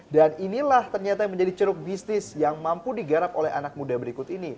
dan inilah ternyata yang menjadi ceruk bisnis yang mampu digarap oleh anak muda berikut ini